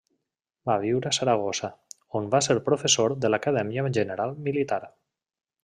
Va viure a Saragossa, on va ser professor de l'Acadèmia General Militar.